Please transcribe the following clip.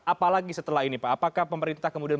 apalagi setelah ini pak apakah pemerintah kemudian